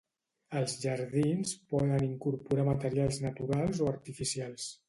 Els jardins poden incorporar materials naturals o artificials.